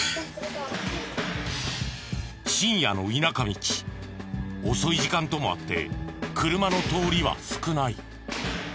深夜の田舎道遅い時間ともあって車の通りは少ない。